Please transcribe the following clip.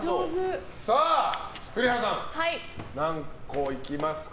栗原さん、何個いきますか？